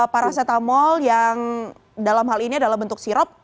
paracetamol yang dalam hal ini adalah bentuk sirop